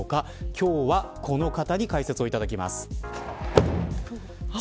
今日はこの方に解説をいただきます。